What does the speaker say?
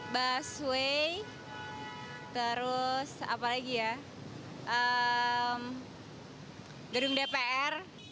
busway terus apa lagi ya gedung dpr